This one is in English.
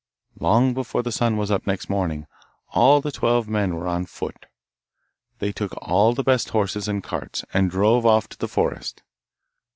Long before the sun was up next morning, all the twelve men were on foot. They took all the best horses and carts, and drove off to the forest.